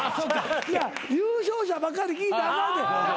優勝者ばかり聞いたらあかんねん。